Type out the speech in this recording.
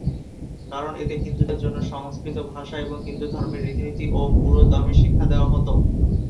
কারণ, এতে হিন্দুদের জন্য সংস্কৃত ভাষা এবং হিন্দু ধর্মের রীতিনীতি ও পুরোদমে শিক্ষা দেয়া হতো।